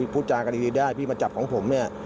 พูดจากันดีได้พี่มาจับของผมเนี่ย